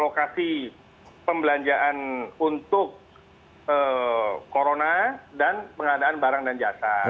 lokasi pembelanjaan untuk corona dan pengadaan barang dan jasa